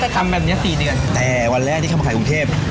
ก็กลับมาทางกรุงเทพฯ